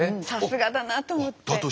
さすがだなと思って。